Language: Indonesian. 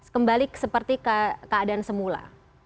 kembali seperti keadaan semula